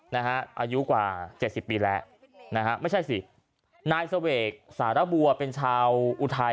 อายุกว่าเจ็ดสิบปีแล้วนะฮะไม่ใช่สินายเสวกสารบัวเป็นชาวอุทัย